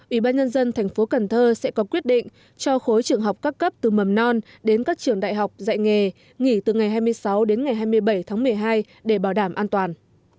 ubnd tp cần thơ sẽ có quyết định cho khối trường học các cấp từ mầm non đến các trường đại học dạy nghề nghỉ từ ngày hai mươi sáu đến ngày hai mươi bảy tháng một mươi hai để bảo đảm an toàn